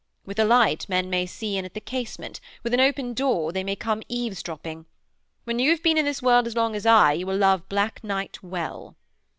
With a light men may see in at the casement; with an open door they may come eavesdropping. When you have been in this world as long as I you will love black night as well.'